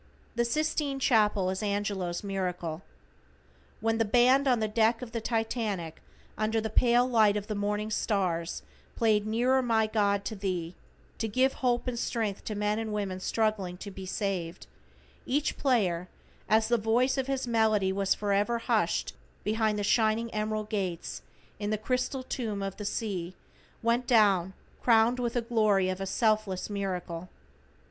The Sistine Chapel is Angelo's miracle. When the band on the deck of the Titanic, under the pale light of the morning stars played "Nearer My God To Thee," to give hope and strength to men and women struggling to be saved, each player, as the voice of his melody was forever hushed behind the shining emerald gates, in the crystal tomb of the sea, went down crowned with the glory of a selfless miracle.